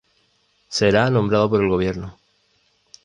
Será nombrado por el Gobierno.